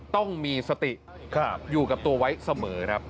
ต้องมีสติอยู่กับตัวไว้เสมอครับ